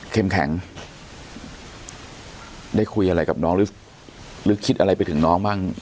แข็งได้คุยอะไรกับน้องหรือคิดอะไรไปถึงน้องบ้าง